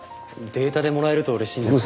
データでもらえると嬉しいんですけど。